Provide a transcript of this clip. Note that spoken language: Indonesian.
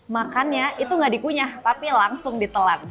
makannya itu gak dikunyah tapi langsung ditelan